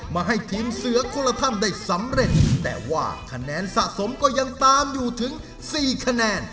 มาให้ทีมเสือคนละท่านได้สำเร็จแต่ว่าคะแนนสะสมก็ยังตามอยู่ถึงสี่คะแนน